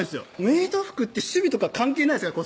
メイド服って趣味とか関係ないですよ